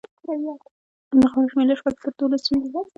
د غړو شمېر له شپږو تر دولسو وي.